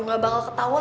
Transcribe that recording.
nggak bakal ketawa